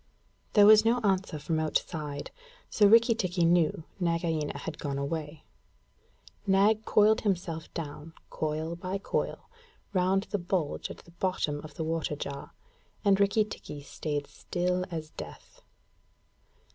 There was no answer from outside, so Rikki tikki knew Nagaina had gone away. Nag coiled himself down, coil by coil, round the bulge at the bottom of the water jar, and Rikki tikki stayed still as death.